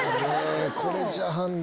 これじゃあ判断。